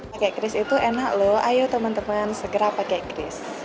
pakai cris itu enak loh ayo teman teman segera pakai cris